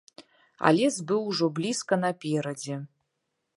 А лес быў ужо блізка наперадзе.